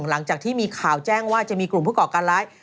หลังจากที่มีข่าวแจ้งว่าจะมีกลุ่มผู้ก่อการร้าย